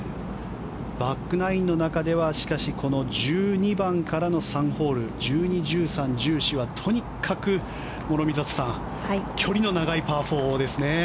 バックナインの中ではしかし１２番からの３ホール１２、１３、１４はとにかく、諸見里さん距離の長いパー４ですね。